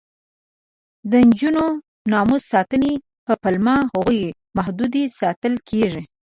د نجونو د ناموس ساتنې په پلمه هغوی محدودې ساتل کېږي.